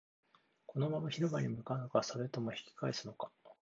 このまま広場に向かうのか、それとも引き返すのか